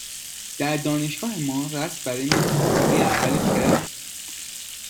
در دانشگاه ما رسم بر این بود که هفته اول ترم،